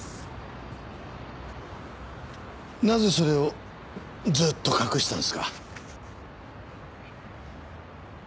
なぜそれをずっと隠してたんですか？